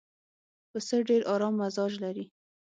پسه ډېر ارام مزاج لري.